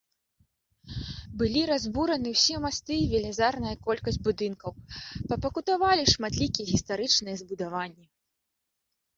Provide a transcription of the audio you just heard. Былі разбураны ўсе масты і велізарная колькасць будынкаў, папакутавалі шматлікія гістарычныя збудаванні.